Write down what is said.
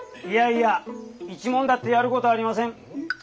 いやいや一文だってやることはありません。